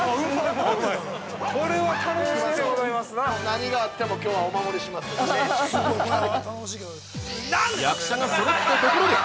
◆何があっても、きょうはお守りしますので。